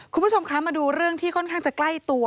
คุณผู้ชมคะมาดูเรื่องที่ค่อนข้างจะใกล้ตัว